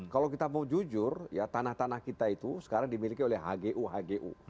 kalau kita mau jujur ya tanah tanah kita itu sekarang dimiliki oleh hgu hgu